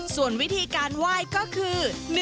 ส่วนวิธีการไหว้ก็คือ